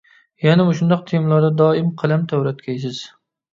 يەنە مۇشۇنداق تېمىلاردا دائىم قەلەم تەۋرەتكەيسىز.